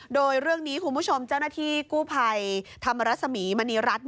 โดยเรื่องนี้คุณผู้ชมเจ้าหน้าที่กู้ภัยธรรมรสมีมณีรัฐ